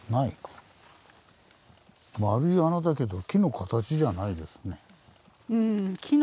丸い穴だけど木の形じゃないですね。